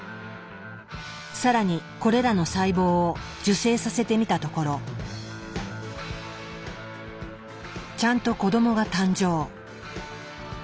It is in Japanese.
更にこれらの細胞を受精させてみたところちゃんと子供が誕生。